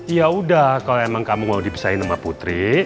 ya udah kalau emang kamu mau dipisahin sama putri